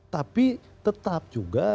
tapi tetap juga